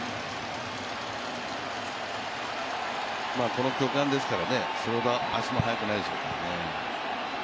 この巨漢ですから、それほど足も速くないでしょう。